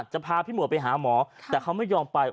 จะพาพี่หมวดไปหาหมอแต่เขาไม่ยอมไป